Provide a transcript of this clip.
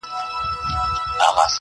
سرومال به مو تر مېني قرباني کړه.!